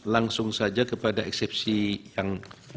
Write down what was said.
langsung saja kepada eksepsi yang